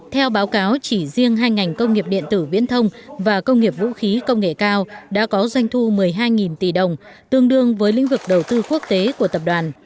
theo báo cáo chỉ riêng hai ngành công nghiệp điện tử viễn thông và công nghiệp vũ khí công nghệ cao đã có doanh thu một mươi hai tỷ đồng tương đương với lĩnh vực đầu tư quốc tế của tập đoàn